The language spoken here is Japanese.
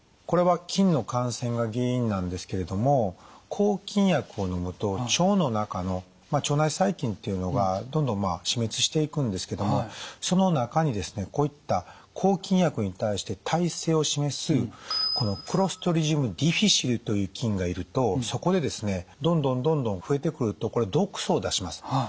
これは菌の感染が原因なんですけれども抗菌薬をのむと腸の中の腸内細菌っていうのがどんどん死滅していくんですけどもその中にですねこういった抗菌薬に対して耐性を示すクロストリジウム・ディフィシルという菌がいるとそこでですねどんどんどんどん増えてくるとこれ毒素を出します。